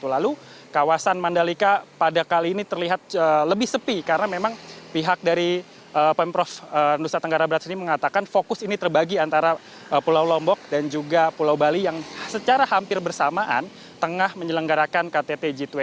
lalu kawasan mandalika pada kali ini terlihat lebih sepi karena memang pihak dari pemprov nusa tenggara barat sendiri mengatakan fokus ini terbagi antara pulau lombok dan juga pulau bali yang secara hampir bersamaan tengah menyelenggarakan ktt g dua puluh